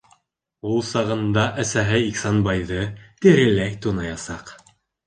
Ул сағында әсәһе Ихсанбайҙы тереләй тунаясаҡ.